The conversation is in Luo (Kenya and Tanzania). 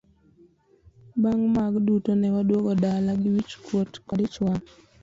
Bang' mag duto ne waduogo dala gi wich kuot kod ich wang'.